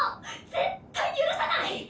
絶対許さない！